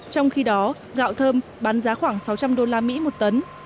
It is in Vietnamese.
trong khi đó gạo thơm bán giá khoảng sáu trăm linh đô la mỹ một tấn